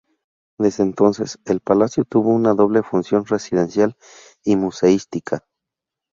Desde entonces, el palacio tuvo una doble función residencial y museística.